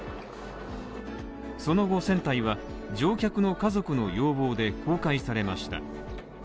その後船体は乗客の家族の要望で公開されました。